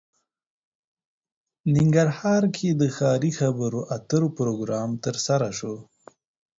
ننګرهار کې د ښاري خبرو اترو پروګرام ترسره شو